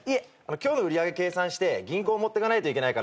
今日の売り上げ計算して銀行持ってかないといけないから。